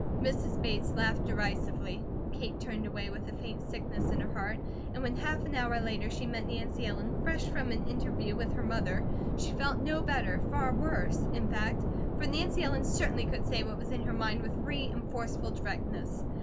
Mrs. Bates laughed derisively. Kate turned away with a faint sickness in her heart and when half an hour later she met Nancy Ellen, fresh from an interview with her mother, she felt no better far worse, in fact for Nancy Ellen certainly could say what was in her mind with free and forceful directness.